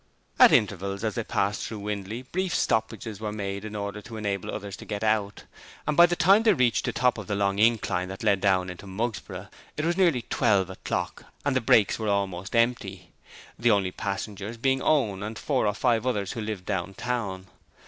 At intervals as they passed through Windley brief stoppages were made in order to enable others to get out, and by the time they reached the top of the long incline that led down into Mugsborough it was nearly twelve o'clock and the brakes were almost empty, the only passengers being Owen and four or five others who lived down town.